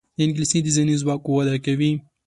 انګلیسي د ذهني ځواک وده کوي